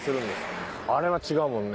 あれは違うもんね。